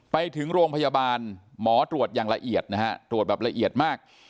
ไปถึงโรงพยาบาลหมอตรวจอย่างละเอียดนะฮะตรวจแบบละเอียดมาก